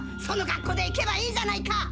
そのかっこで行けばいいじゃないか！